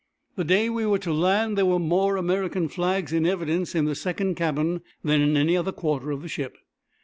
The day we were to land there were more American flags in evidence in the second cabin than in any other quarter of the ship.